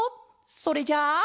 それじゃあ。